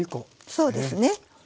そうですね。